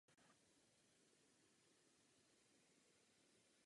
Příležitostně učil jak v Palermu tak v Římě.